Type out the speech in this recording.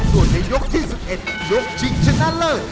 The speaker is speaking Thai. ส่วนในยกที่๑๑ยกชิงชนะเลิศ